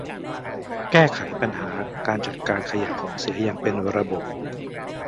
แก้ไขปัญหาการจัดการขยะของเสียอย่างเป็นระบบ